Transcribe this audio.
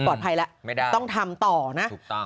ปลอดภัยแล้วต้องทำต่อนะถูกต้อง